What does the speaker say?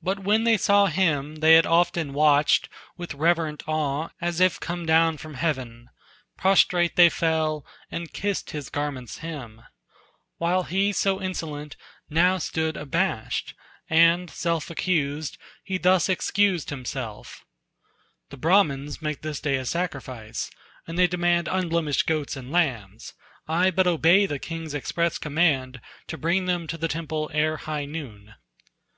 But when they saw him they had often watched With reverent awe, as if come down from heaven, Prostrate they fell, and kissed his garment's hem, While he so insolent, now stood abashed, And, self accused, he thus excused himself: "The Brahmans make this day a sacrifice, And they demand unblemished goats and lambs. I but obey the king's express command To bring them to the temple ere high noon."